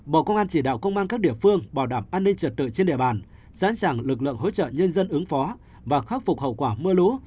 bộ công an chỉ đạo công an các địa phương bảo đảm an ninh trật tự trên địa bàn sẵn sàng lực lượng hỗ trợ nhân dân ứng phó và khắc phục hậu quả mưa lũ